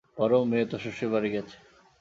বড়ো মেয়ে তো শ্বশুরবাড়ি গেছে।